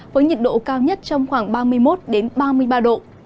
với nhiệt độ cao nhất trong khoảng ba mươi một ba mươi ba độ